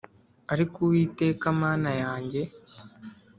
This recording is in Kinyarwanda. Ariko Uwiteka Mana yanjye